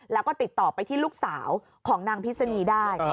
แล้วก็ติดต่อไปที่ลูกสาวของนางพิษณีได้